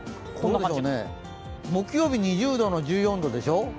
木曜日２０度の１４度でしょ。